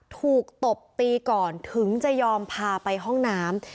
ตบตีก่อนถึงจะยอมพาไปห้องน้ำ